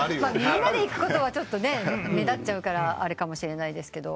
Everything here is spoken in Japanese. みんなで行くことは目立っちゃうからあれかもしれないですけど。